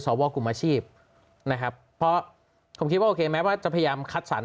กลุ่มอาชีพนะครับเพราะผมคิดว่าโอเคแม้ว่าจะพยายามคัดสรร